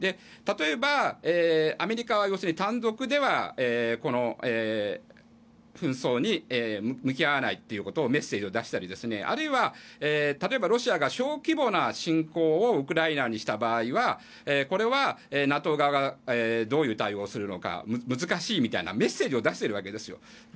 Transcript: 例えば、アメリカは単独ではこの紛争に向き合わないというメッセージを出したりあるいは例えばロシアが小規模な侵攻をウクライナにした場合はこれはＮＡＴＯ側がどういう対応をするのか難しいみたいなメッセージを出しているわけですよ。